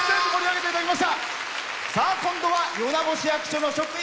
今度は米子市役所の職員。